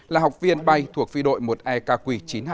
là học viên bay thuộc phi đội một e kq chín trăm hai mươi